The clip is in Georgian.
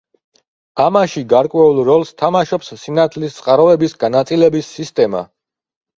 ამაში გარკვეულ როლს თამაშობს სინათლის წყაროების განაწილების სისტემა.